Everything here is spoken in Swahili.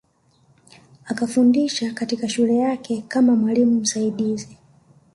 Akafundisha katika shule yake kama mwalimu msaidizi